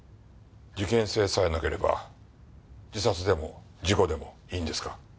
事件性さえなければ自殺でも事故でもいいんですか？